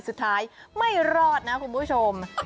สุดท้ายไม่รอดนะคุณผู้ชม